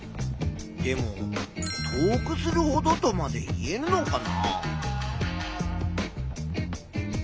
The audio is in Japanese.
でも「遠くするほど」とまで言えるのかな？